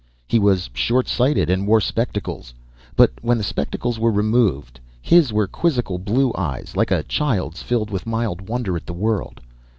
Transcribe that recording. He was short sighted and wore spectacles. But when the spectacles were removed, his were quizzical blue eyes like a child's, filled with mild wonder at the world.